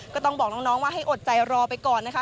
ก็ต้องบอกน้องว่าให้อดใจรอไปก่อนนะคะ